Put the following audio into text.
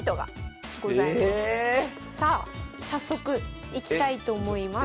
さあ早速いきたいと思います。